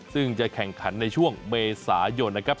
ซึ่งจะแข่งขันในช่วงเมษายนนะครับ